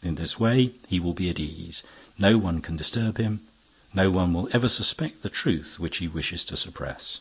In this way, he will be at ease. No one can disturb him. No one will ever suspect the truth which he wishes to suppress.